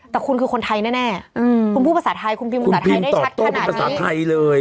แต่คุณคือคนไทยแน่คุณพูดภาษาไทยได้ชัดขนาดนี้